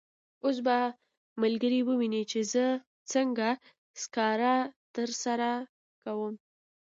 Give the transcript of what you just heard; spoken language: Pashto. اوس به ملګري وویني چې زه څنګه سکاره ترلاسه کوم.